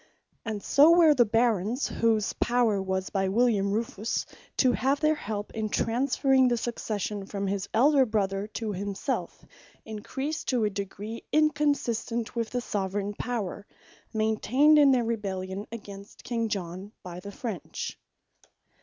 And so were the Barons, whose power was by William Rufus (to have their help in transferring the Succession from his Elder brother, to himselfe,) encreased to a degree, inconsistent with the Soveraign Power, maintained in their Rebellion against King John, by the French.